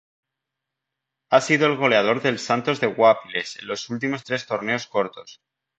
Ha sido el goleador del Santos de Guápiles en los últimos tres torneos cortos.